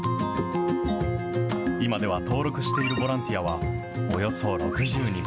今では登録しているボランティアは、およそ６０人。